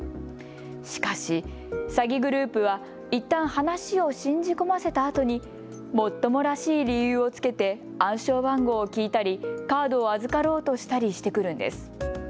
しかし、詐欺グループはいったん話を信じ込ませたあとにもっともらしい理由をつけて暗証番号を聞いたり、カードを預かろうとしたりしてくるんです。